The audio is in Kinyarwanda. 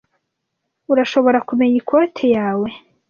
Urashobora kumenya ikoti yawe?